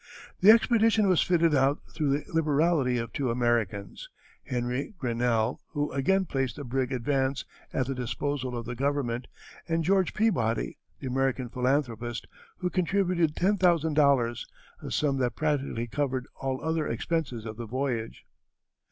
The expedition was fitted out through the liberality of two Americans, Henry Grinnell, who again placed the brig Advance at the disposal of the government, and George Peabody, the American philanthropist, who contributed $10,000, a sum that practically covered all other expenses of the voyage.